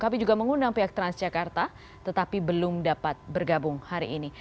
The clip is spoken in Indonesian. kami juga mengundang pihak transjakarta tetapi belum dapat bergabung hari ini